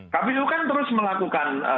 kpu kan terus melakukan